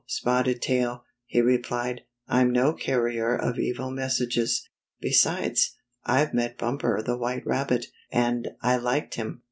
Spotted Tail," he replied. " I'm no carrier of evil messages. Besides, I've met Bumper the White Rabbit, and I liked him.